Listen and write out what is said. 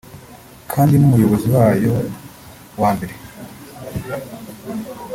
kandi n’umuyobozi wayo wa mbere